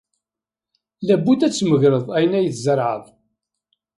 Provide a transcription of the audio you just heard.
Labudd ad d-tmegreḍ ayen ay tzerɛeḍ.